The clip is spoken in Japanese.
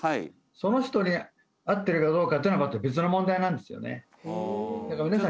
その人に合ってるかどうかっていうのはまた別の問題なんですよね